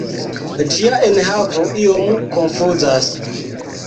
Ĝia enhavo iom konfuzas.